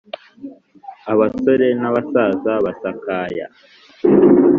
Abasore n'abasaza basakaya